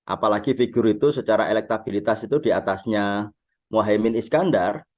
apalagi figur itu secara elektabilitas itu diatasnya mohaimin iskandar